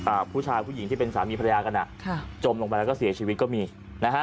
อ่าผู้ชายผู้หญิงที่เป็นสามีภรรยากันอ่ะค่ะจมลงไปแล้วก็เสียชีวิตก็มีนะฮะ